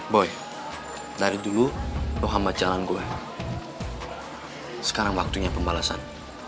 boy dari dulu lo hambat jalan gua sekarang waktunya pembalasan